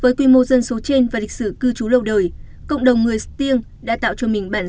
với quy mô dân số trên và lịch sử cư trú lâu đời cộng đồng người stiêng đã tạo cho mình bản